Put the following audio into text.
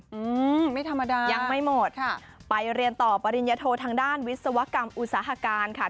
อืมไม่ธรรมดายังไม่หมดค่ะไปเรียนต่อปริญญโททางด้านวิศวกรรมอุตสาหการค่ะ